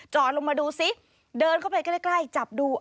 ลงมาดูซิเดินเข้าไปใกล้จับดู